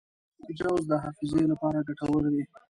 جوز د حافظې لپاره ګټور دي.